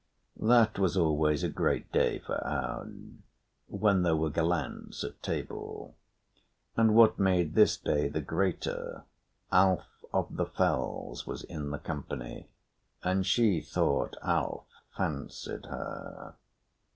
That was always a great day for Aud, when there were gallants at table; and what made this day the greater, Alf of the Fells was in the company, and she thought Alf fancied her.